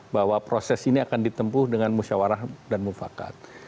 bahwa proses ini akan ditempuh dengan musyawarah dan mufakat